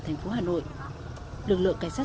thành phố hà nội lực lượng cảnh sát